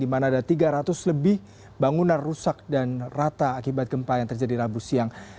di mana ada tiga ratus lebih bangunan rusak dan rata akibat gempa yang terjadi rabu siang